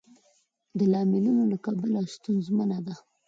د لاملونو له کبله ستونزمنه ده.